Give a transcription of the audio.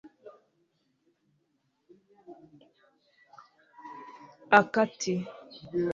a kati